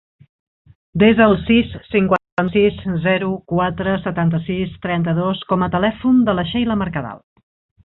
Desa el sis, cinquanta-sis, zero, quatre, setanta-sis, trenta-dos com a telèfon de la Sheila Mercadal.